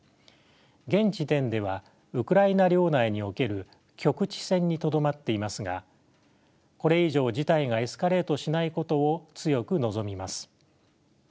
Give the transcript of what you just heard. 現時点ではウクライナ領内における局地戦にとどまっていますがこれ以上事態がエスカレートしないことを強く望みます。